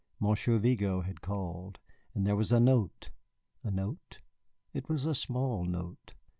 Monsieur Vigo had called, and there was a note. A note? It was a small note.